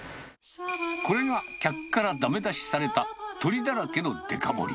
これが客からだめ出しされた、鶏だらけのデカ盛り。